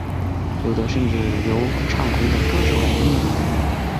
有的甚至由唱红的歌手来分类。